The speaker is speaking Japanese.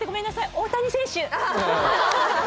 大谷選手